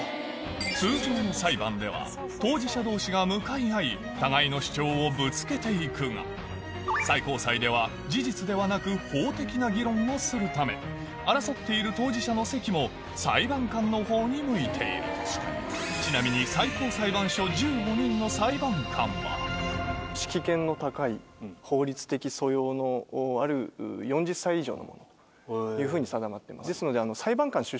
通常の裁判では当事者同士が向かい合い互いの主張をぶつけていくが最高裁では事実ではなく法的な議論をするため争っている当事者の席も裁判官の方に向いているちなみにいうふうに定まってますですので。